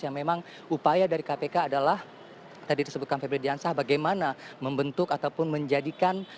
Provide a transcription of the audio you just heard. yang memang upaya dari kpk adalah tadi disebutkan febri diansah bagaimana membentuk ataupun menjadikan